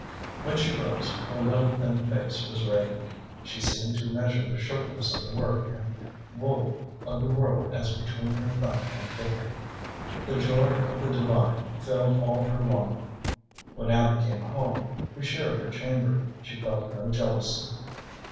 When she rose, her little, thin face was radiant. She seemed to measure the shortness of the work and woe of the world as between her thumb and finger. The joy of the divine filled all her longing. When Abby came home, who shared her chamber, she felt no jealousy.